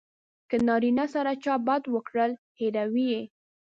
که نارینه سره چا بد وکړل هیروي یې.